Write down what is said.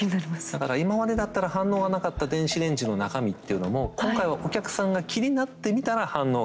だから今までだったら反応がなかった電子レンジの中身っていうのも今回はお客さんが気になって見たら反応がある。